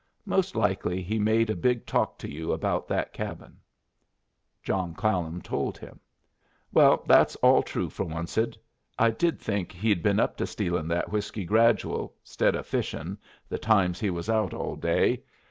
Most likely he made a big talk to you about that cabin." John Clallam told him. "Well, that's all true, for onced. I did think he'd been up to stealin' that whiskey gradual, 'stead of fishin', the times he was out all day.